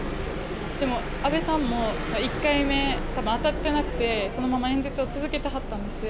でも、安倍さんも１回目、たぶん当たってなくて、そのまま演説を続けてはったんです。